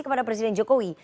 kepada presiden jokowi